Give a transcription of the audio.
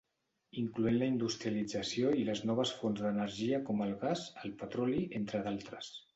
Incloent la industrialització i les noves fonts d'energia com el gas, el petroli entre d'altres.